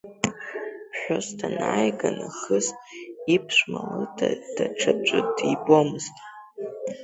Ԥҳәыс данааига нахыс, иԥшәма лыда даҽаӡәы дибомызт.